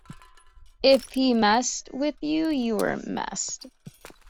If he messed with you, you were messed.